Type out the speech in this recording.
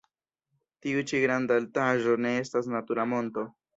Tiu ĉi granda altaĵo ne estas natura monto.